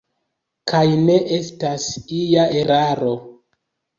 Kaj ne estas ia eraro.